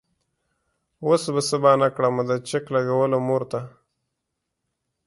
وس به څۀ بهانه کړمه د چک لګولو مور ته